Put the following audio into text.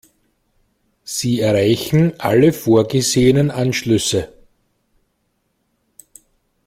Sie erreichen alle vorgesehenen Anschlüsse.